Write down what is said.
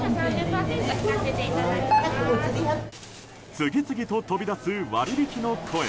次々と飛び出す、割引の声。